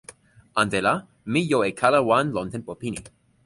ante la, mi jo e kala wan lon tenpo pini.